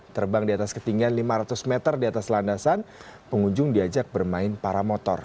terbang di atas ketinggian lima ratus meter di atas landasan pengunjung diajak bermain para motor